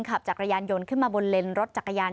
ขับจักรยานยนต์ขึ้นมาบนเลนรถจักรยาน